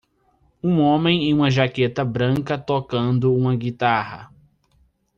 Um homem em uma jaqueta branca tocando uma guitarra.